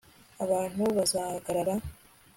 abantu bazahagarara